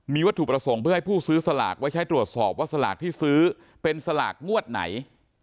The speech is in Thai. มีวัตถุประสงค์เพื่อให้ผู้ซื้อสลากไว้ใช้ตรวจสอบว่าสลากที่ซื้อเป็นสลากงวดไหน